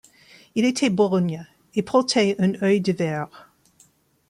Il était borgne et portait un œil de verre.